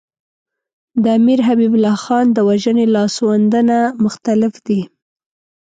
د امیر حبیب الله خان د وژنې لاسوندونه مختلف دي.